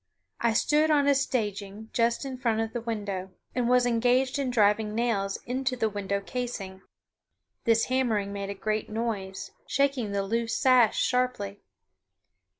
I stood on a staging just in front of the window, and was engaged in driving nails in the window casing. This hammering made a great noise, shaking the loose sash sharply.